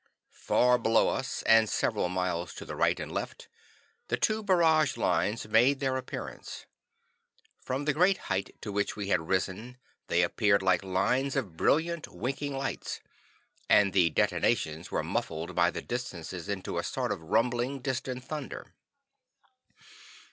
Far below us, and several miles to the right and left, the two barrage lines made their appearance. From the great height to which we had risen, they appeared like lines of brilliant, winking lights, and the detonations were muffled by the distances into a sort of rumbling, distant thunder.